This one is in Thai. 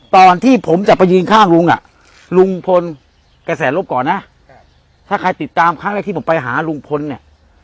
ตอนที่ผมจะไปยืนข้างลุงลุงพนกะแสรก่อนนะถ้าใครติดตามคักกัจที่ไปหารุงพลเนี่ย